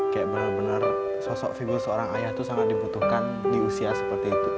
kayak bener bener sosok vivaldi seorang ayah tuh sangat dibutuhkan di usia seperti itu